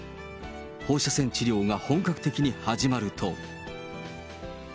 放射線治療が本格的に始まると。